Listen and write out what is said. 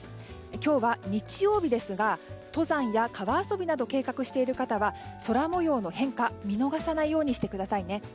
今日は日曜日ですが登山や川遊びなど計画している方は空模様の変化見逃さないようにしてください。